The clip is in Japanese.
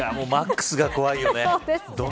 マックスが怖いよね。